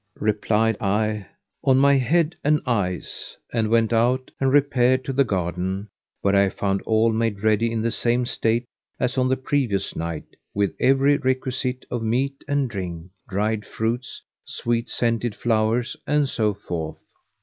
Replied I, "On my head and eyes!" and went out and repaired to the garden, where I found all made ready in the same state as on the previous night, with every requisite of meat and drink, dried fruits, sweet scented flowers and so forth.